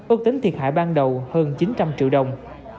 ước tính thiệt hại ban đầu hơn chín trăm linh triệu đồng